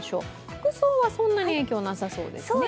服装はそんなに影響なさそうですね。